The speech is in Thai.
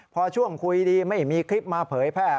พอช่วงคุยดีไม่มีคลิปมาเผยแพร่